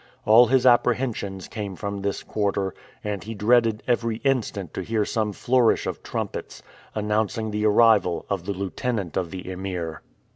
All his apprehensions came from this quarter, and he dreaded every instant to hear some flourish of trumpets, announcing the arrival of the lieutenant of the Emir.